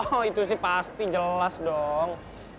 oh itu sih pasti jelas dong